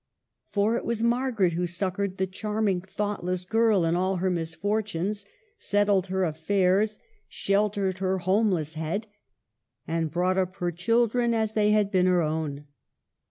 For it was Margaret who succored the charming, thoughtless girl in all her misfortunes, settled her affairs, sheltered her NERAC in 1530. 129 homeless head, and brought up her children as they had been her own.